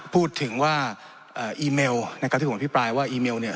พูดถึงว่าอีเมลนะครับที่ผมอภิปรายว่าอีเมลเนี่ย